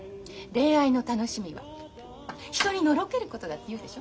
恋愛の楽しみは人にのろけることだって言うでしょ？